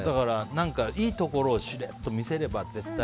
いいところをしれっと見せれば絶対。